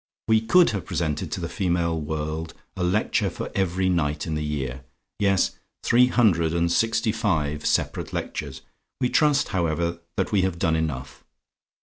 We could have presented to the female world a Lecture for Every Night in the year. Yes, three hundred and sixty five separate Lectures! We trust, however, that we have done enough.